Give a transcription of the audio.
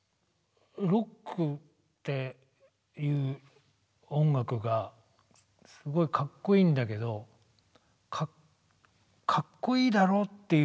ロックっていう音楽がすごいかっこいいんだけどかっこいいだろっていう感じが恥ずかしいんですよ